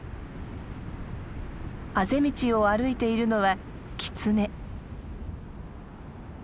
あぜ道を歩いているのはキツネ。